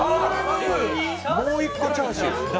もう一個チャーシュー！？